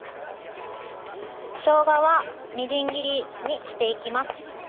しょうがはみじん切りにしていきます。